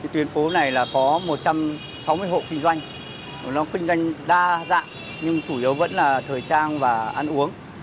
tuyên phố này là có một trăm sáu mươi hộ kinh doanh nó kinh doanh đa dạng nhưng chủ yếu vẫn là thời trang và ăn uống